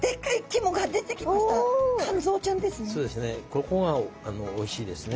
ここがおいしいですね。